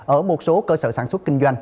ở một số cơ sở sản xuất kinh doanh